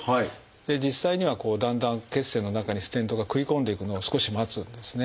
実際にはこうだんだん血栓の中にステントが食い込んでいくのを少し待つんですね。